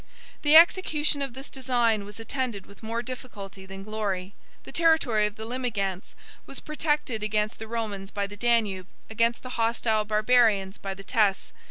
The execution of this design was attended with more difficulty than glory. The territory of the Limigantes was protected against the Romans by the Danube, against the hostile Barbarians by the Teyss.